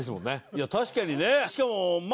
いや確かにね。